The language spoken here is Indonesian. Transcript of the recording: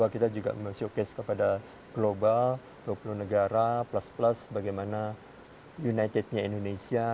kita juga showcase kepada global dua puluh negara plus plus bagaimana unitednya indonesia